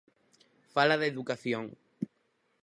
Fala de educación.